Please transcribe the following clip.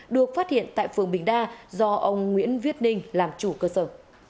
được phát hiện tại phường bình đa do ông nguyễn viết ninh làm chủ cơ sở